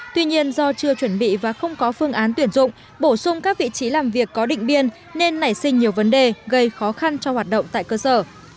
tuy nhiên do chưa chuẩn bị và không có phương án tuyển dụng bổ sung các vị trí làm việc có định biên nên nảy sinh nhiều vấn đề gây khó khăn cho hoạt động tại cơ sở